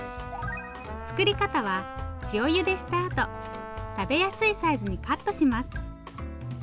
作り方は塩ゆでしたあと食べやすいサイズにカットします。